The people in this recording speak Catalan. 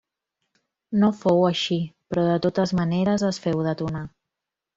No fou així, però de totes maneres es féu detonar.